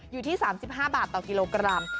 อยู่ที่๓๕บาทต่อกิโลกรัม